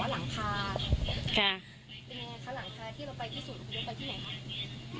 เป็นยังไงค่ะหลังคาที่เราไปที่สุดเราไปที่ไหนคะ